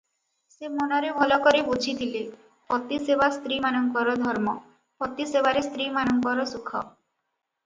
ସେ ମନରେ ଭଲକରି ବୁଝିଥିଲେ, ପତି ସେବା ସ୍ତ୍ରୀମାନଙ୍କର ଧର୍ମ, ପତି ସେବାରେ ସ୍ତ୍ରୀମାନଙ୍କର ସୁଖ ।